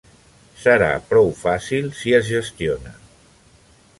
Serà prou fàcil si es gestiona.